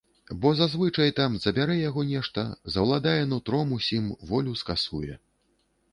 Бо зазвычай там забярэ яго нешта, заўладае нутром усім, волю скасуе.